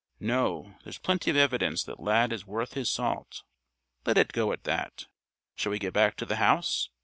No, there's plenty of evidence that Lad is worth his salt. Let it go at that. Shall we get back to the house?